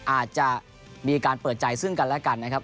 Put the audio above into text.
อาจจะมีการเปิดใจซึ่งกันและกันนะครับ